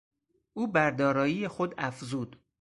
او بر دارایی خود افزود.